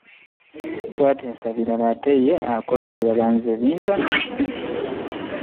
Twateesa birala ate ye akola birala nze bintamye.